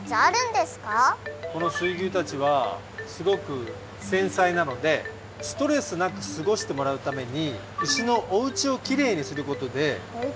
この水牛たちはすごくせんさいなのでストレスなくすごしてもらうためにうしのおうちをきれいにすることでミルクがおいしくなるよ。